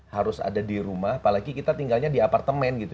harus ada di rumah apalagi kita tinggalnya di apartemen gitu